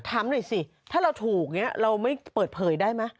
ถามหน่อยสิถ้าเราถูกเนี่ยเราไม่เปิดเผยได้ไหม